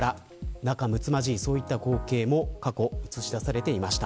仲むつまじい光景も過去、映し出されていました。